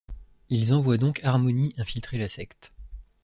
Ils envoient donc Harmony infiltrer la secte.